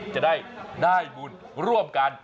จะได้บุญร่วมกัน